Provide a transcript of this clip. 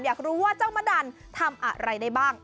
อยากรู้ว่าเจ้ามะดันทำอะไรได้บ้าง